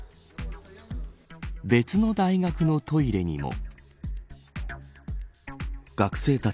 別の大学のトイレにも。